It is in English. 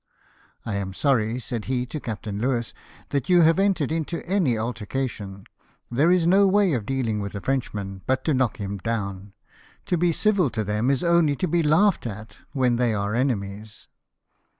—" I am sorry," said he to Captain Louis, " that you have entered into any altercation. There is no way of dealing with a Frenchman but to knock him down ; to be civil to them is only to be laughed at, when they are enemies."